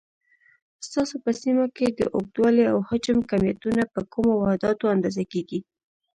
ستاسو په سیمه کې د اوږدوالي، او حجم کمیتونه په کومو واحداتو اندازه کېږي؟